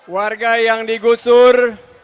warga yang digusur